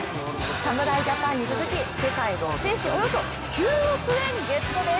侍ジャパンに続き、世界を制しおよそ９億円ゲットです。